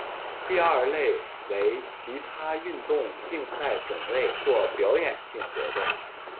第二类为其他运动竞赛种类或表演性活动。